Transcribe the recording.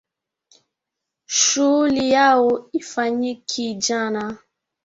Shuhuli yao ifanyiki jana